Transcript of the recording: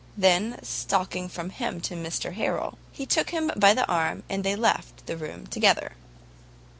Then stalking from him to Mr Harrel, he took him by the arm, and they left the room together.